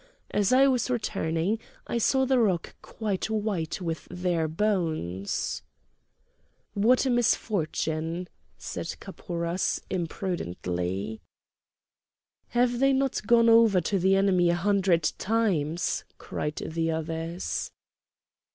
As I was returning I saw the rock quite white with their bones!" "What a misfortune!" said Kapouras impudently. "Have they not gone over to the enemy a hundred times?" cried the others.